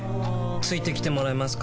付いてきてもらえますか？